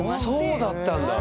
そうだったんだ。